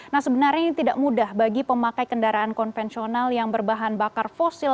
nah sebenarnya ini tidak mudah bagi pemakai kendaraan konvensional yang berbahan bakar fosil